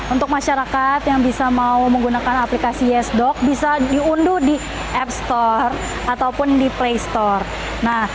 untuk masyarakat yang bisa mau menggunakan aplikasi yesdoc bisa diunduh di app store ataupun di play store